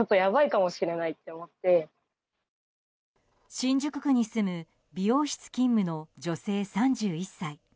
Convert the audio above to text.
新宿区に住む美容室勤務の女性、３１歳。